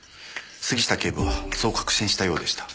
杉下警部はそう確信したようでした。